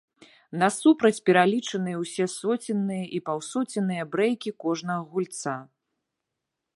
Насупраць пералічаныя ўсе соценныя і паўсоценныя брэйкі кожнага гульца.